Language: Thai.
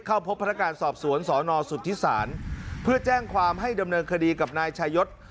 เข้าพบพนักงานสอบสวนสอนอสุทธิศาลเพื่อแจ้งความให้ดำเนินคดีกับนายชายศ